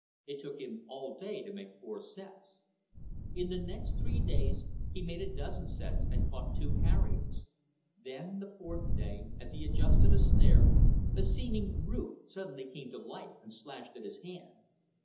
It took him all day to make four sets. In the next three days he made a dozen sets and caught two carriers. Then, the fourth day, as he adjusted a snare, a seeming root suddenly came to life and slashed at his hand.